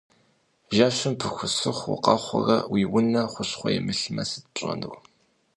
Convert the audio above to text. Жэщым пыхусыху укъэхъурэ уи унэ хущхъуэ имылъмэ, сыт пщӏэнур?